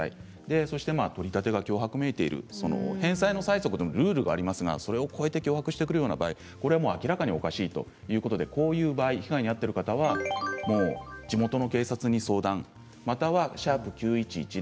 そして取り立てが脅迫めいている返済の催促でもルールがありますがそれを超えて脅迫してくる場合は明らかにおかしいということでこういう場合被害に遭っている方は地元の警察に相談または、＃９１１０